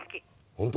本当。